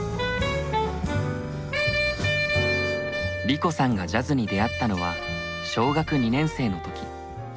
梨子さんがジャズに出会ったのは小学２年生の時。